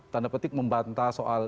tanda petik membanta soal